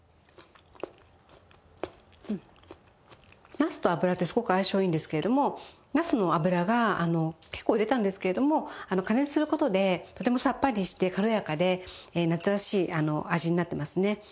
なすと油ってすごく相性いいんですけれどもなすの油が結構入れたんですけれども加熱する事でとてもさっぱりして軽やかで夏らしい味になってますね。